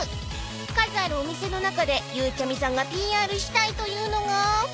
［数あるお店の中でゆうちゃみさんがＰＲしたいというのが］